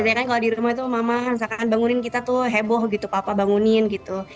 ya kan kalau di rumah itu mama misalkan bangunin kita tuh heboh gitu papa bangunin gitu